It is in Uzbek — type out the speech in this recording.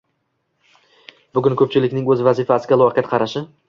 Bugun ko‘pchilikning o‘z vazifasiga loqayd qarashi